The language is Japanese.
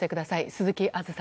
鈴木あづさ